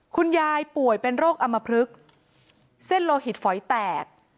คุณยายป่วยเป็นโรคอมพลึกเส้นโลหิตฝอยแตก